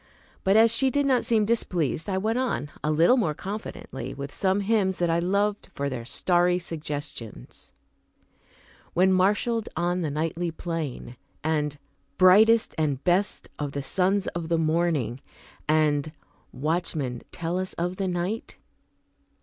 But as she did not seem displeased, I went on, a little more confidently, with some hymns that I loved for their starry suggestions, "When marshaled on the nightly plain," and "Brightest and best of the sons of the morning," and "Watchman, tell us of the night?"